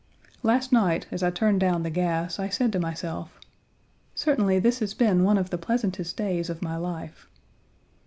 Last night, as I turned down the gas, I said to myself: "Certainly this has been one of the pleasantest days of my life."